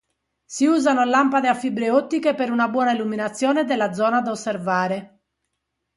Si usano lampade a fibre ottiche per una buona illuminazione della zona da osservare.